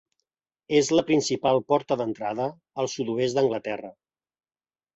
És la principal porta d'entrada al sud-oest d'Anglaterra.